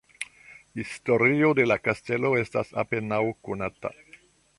Historio de la kastelo estas apenaŭ konata.